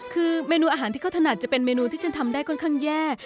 คือเมนูอาหารที่เขาถนัดจะเป็นเมนูที่ฉันทำได้ค่อนข้างแย่